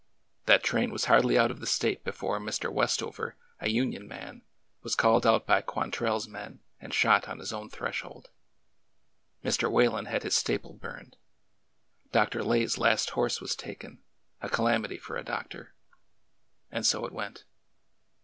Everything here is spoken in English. That train was hardly out of the State before Mr. Westover, a Union man, was called out by QuantrelFs men and shot on his own threshold. Mr. Whalen had his stable burned. Dr. Lay's last horse was taken — a calamity for a doctor. And so it went.